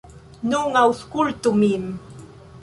Nun aŭskultu min.